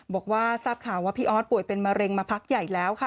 บอกว่าทราบข่าวว่าพี่ออสป่วยเป็นมะเร็งมาพักใหญ่แล้วค่ะ